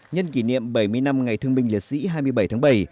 nhân kỷ niệm bảy mươi năm ngày thương binh liệt sĩ hai mươi bảy tháng bảy